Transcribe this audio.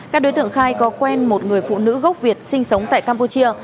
các đối tượng khai có quen một người phụ nữ gốc việt sinh sống tại campuchia